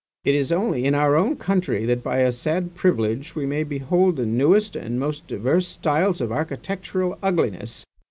It is only in our own country that by a sad privilege we may behold the newest and most diverse styles of architectural ugliness.